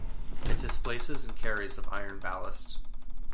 It displaces and carries of iron ballast.